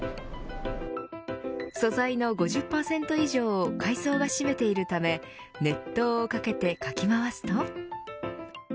素材の５０％以上を海藻が占めているため熱湯をかけて、かき回すと。